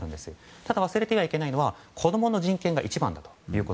ただ、忘れてはいけないのが子供の人権が一番だということ。